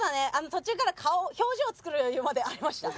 途中から顔表情作る余裕までありました。